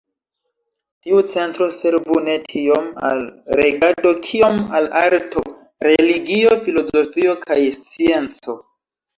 Tiu centro servu ne tiom al regado kiom al arto, religio, filozofio kaj scienco.